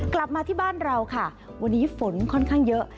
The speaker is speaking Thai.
กลับมาที่บ้านเราค่ะวันนี้ฝนค่อนข้างเยอะ